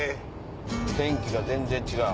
天気が全然違う。